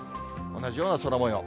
同じような空もよう。